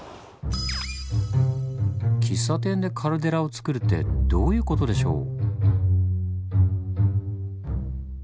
「喫茶店でカルデラをつくる」ってどういう事でしょう？